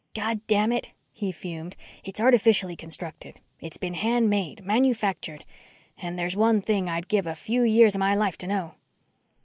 "Goddamn it," he fumed, "it's artificially constructed. It's been hand made manufactured. And there's one thing I'd give a few years of my life to know."